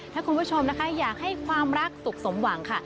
ถ้าคุณผู้ชมนะคะอยากให้ความรักสุขสมหวังค่ะ